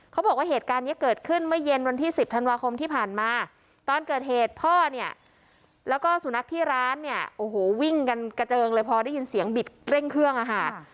เขาบอกว่าเหตุการณ์นี้เกิดขึ้นเมื่อเย็นวันที่๑๐ธันวาคมที่ผ่านมาตอนเกิดเหตุพ่อเนี่ยแล้วก็สุนัขที่ร้านเนี่ยโอ้โหวิ่งกันกระเจิงเลยพอได้ยินเสียงบิดเร่งเครื่องอ่ะค่ะ